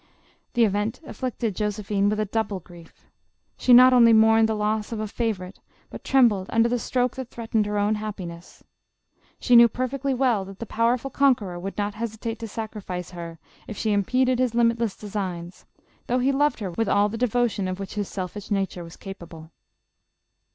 The event afflicted Josephine with a double grief. She not only mourned the loss of a favorite, but trembled under the stroke that threatened her own happiness. She knew perfectly well that the powerful conqueror would not hesitate to sacrifice her, if she impeded his limitless designs, though he loved her with all the devotion of which his seliish nature was capable.